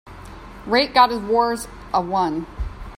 Rate Gota's War a one